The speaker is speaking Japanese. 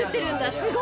すごい！